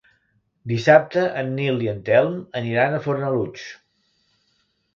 Dissabte en Nil i en Telm aniran a Fornalutx.